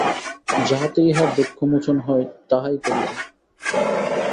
যাহাতে ইহার দুঃখ মােচন হয়, তাহাই করিব।